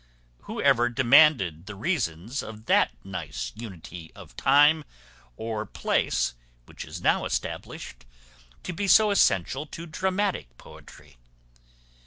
Who ever demanded the reasons of that nice unity of time or place which is now established to be so essential to dramatic poetry?